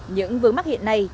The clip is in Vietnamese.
những vướng mắt hiện nay